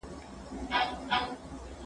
بریالیو خلګو خپل اندونه بیان کړي دي.